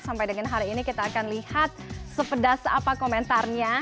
sampai dengan hari ini kita akan lihat sepedas apa komentarnya